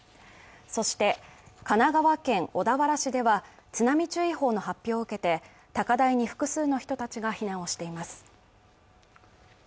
そして、神奈川県小田原市では、津波注意報の発表を受けて高台に複数の人たちが避難をしています。